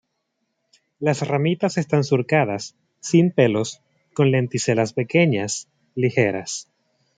Las ramitas están surcadas, sin pelos, con lenticelas pequeñas, ligeras.